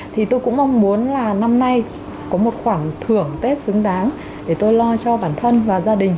thì tôi cũng mong muốn là năm nay có một khoảng thưởng tết xứng đáng để tôi lo cho bản thân và gia đình